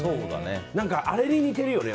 何か、あれに似てるよね。